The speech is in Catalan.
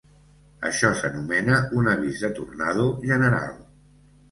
Això s'anomena un avís de tornado general.